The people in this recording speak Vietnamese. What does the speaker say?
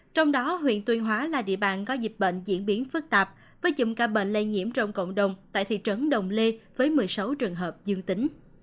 trong đó huyện tuyên hóa là địa bàn có dịch bệnh diễn biến phức tạp với chùm ca bệnh lây nhiễm trong cộng đồng tại thị trấn đồng lê với một mươi sáu trường hợp dương tính